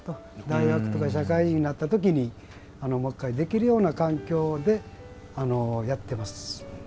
大学とか社会人になった時にもう１回できるような環境でやっています。